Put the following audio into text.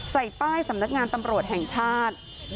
ใส่ป้ายสำนักงานตำรวจแห่งชาติ